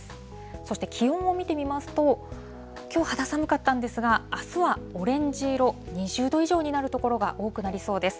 そして、気温を見てみますと、きょう肌寒かったんですが、あすはオレンジ色、２０度以上になる所が多くなりそうです。